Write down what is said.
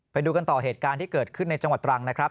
ไปดูกันต่อเหตุการณ์ที่เกิดขึ้นในจังหวัดตรังนะครับ